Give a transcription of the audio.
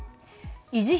維持費